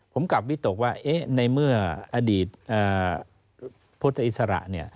ผมกลับวิตกว่าในเมื่ออดีตพุทธอิสระ